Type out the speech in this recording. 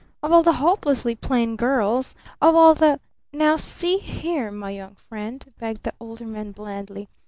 Of all the hopelessly plain girls! Of all the !" "Now see here, my young friend," begged the Older Man blandly.